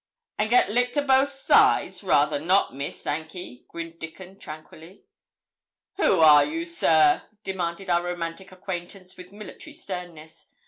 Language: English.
'An' git licked o' both sides? Rather not, Miss, thank ye,' grinned Dickon, tranquilly. 'Who are you, sir?' demanded our romantic acquaintance, with military sternness.